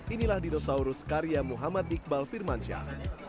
inilah dinosaurus karya muhammad iqbal firmansyah